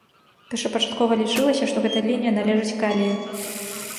Першапачаткова лічылася, што гэта лінія належыць калію.